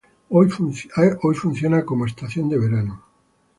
Hoy funciona como estación de verano.